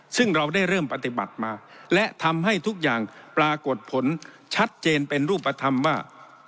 ซึ่งเราได้เริ่มปฏิบัติมาและทำให้ทุกอย่างปรากฏผลชัดเจนเป็นรูปธรรมว่า